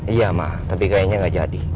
iya ma tapi kayaknya gak jadi